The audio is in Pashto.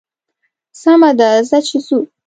سمه ده ځه چې ځو.